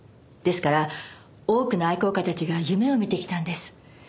ですから多くの愛好家たちが夢を見てきたんです。